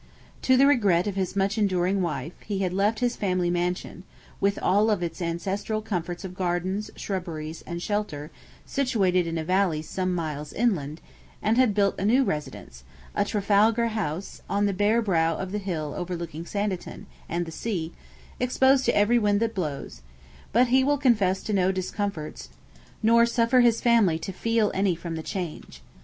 To the regret of his much enduring wife, he had left his family mansion, with all its ancestral comforts of gardens, shrubberies, and shelter, situated in a valley some miles inland, and had built a new residence a Trafalgar House on the bare brow of the hill overlooking Sanditon and the sea, exposed to every wind that blows; but he will confess to no discomforts, nor suffer his family to feel any from the change.